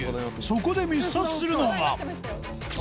そこで密撮するのが